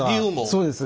そうです。